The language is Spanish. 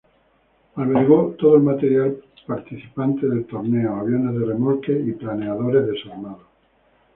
Albergó todo el material participante del torneo, aviones de remolque y planeadores desarmados.